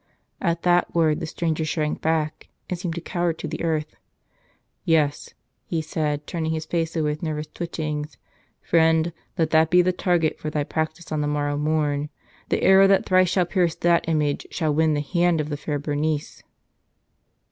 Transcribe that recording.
At that word the stranger shrank back and seemed to cower to the earth. "Yes," he said, turning his face away with nervous twitchings. "Friend, let that be the target for thy practice on the morrow morn. The arrow that thrice shall pierce that image shall win the hand of the fair Bernice."